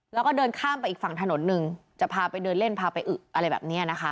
แล้วก็เดินข้ามไปอีกฝั่งถนนหนึ่งจะพาไปเดินเล่นพาไปอึอะไรแบบนี้นะคะ